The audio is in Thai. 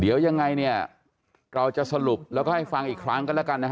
เดี๋ยวยังไงเนี่ยเราจะสรุปแล้วก็ให้ฟังอีกครั้งกันแล้วกันนะฮะ